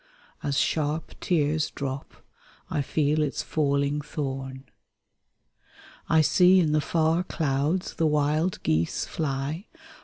'' As sharp tears drop I feel its falling thorn. I see in the far clouds the wild geese fly.